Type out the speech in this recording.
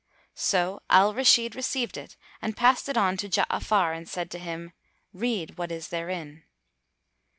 So Al Rashid received it and passed it on to Ja'afar and said to him, "Read what is therein."